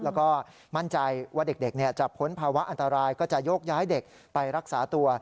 แล้วก็มั่นใจว่าเด็กจะพ้นภาวะอันตรายก็จะโยกย้ายเด็กไปรักษาตัว